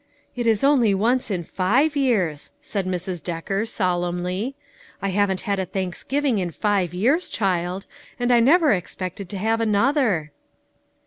"It is only once in five years!" said Mrs. Decker solemnly. " I haven't had a Thanks giving in five years, child ; and I never expected to have another."